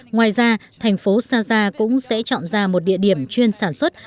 ngoài ra thành phố saza cũng sẽ chọn ra một địa điểm chuyên sản xuất